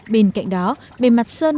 bên cạnh đó bề mặt sơn